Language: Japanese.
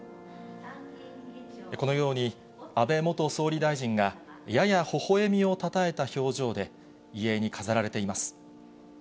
このように、安倍元総理大臣が、ややほほえみをたたえた表情で、遺影に飾られています。